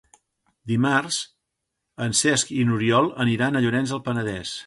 Dimarts en Cesc i n'Oriol aniran a Llorenç del Penedès.